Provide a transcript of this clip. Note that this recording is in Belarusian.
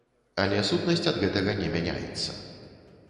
Але сутнасць ад гэтага не мяняецца.